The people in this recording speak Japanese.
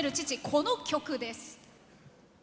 この曲です。